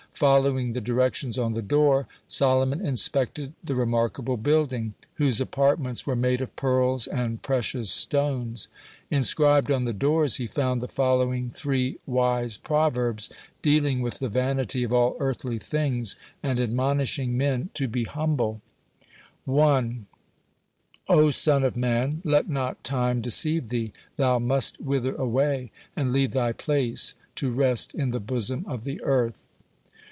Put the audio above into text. Following the directions on the door, Solomon inspected the remarkable building, whose apartments were made of pearls and precious stones. Inscribed on the doors he found the following three wise proverbs, dealing with the vanity of all earthly things, and admonishing men to be humble: 1. O son of man, let not time deceive thee; thou must wither away, and leave thy place, to rest in the bosom of the earth.